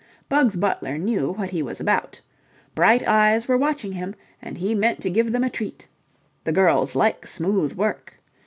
Bugs Butler knew what he was about. Bright eyes were watching him, and he meant to give them a treat. The girls like smooth work.